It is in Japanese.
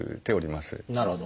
なるほど。